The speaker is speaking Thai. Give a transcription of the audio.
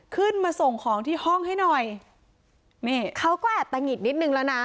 ขึ้นมาส่งของที่ห้องให้หน่อยนี่เขาก็แอบตะหิดนิดนึงแล้วนะ